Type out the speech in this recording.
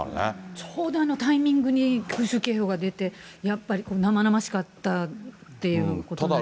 ちょうどあのタイミングに空襲警報が出て、やっぱり生々しかったっていうことになりますよね。